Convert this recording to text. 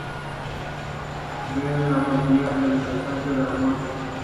Ver la propia era un presagio de muerte.